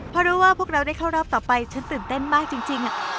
เพราะรู้ว่าพวกเราได้เข้ารอบต่อไปฉันตื่นเต้นมากจริง